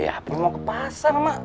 aku mau ke pasar mak